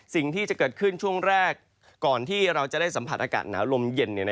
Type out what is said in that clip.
สิ่งที่จะเกิดขึ้นช่วงแรกก่อนที่เราจะได้สัมผัสอากาศหนาวลมเย็น